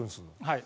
はい。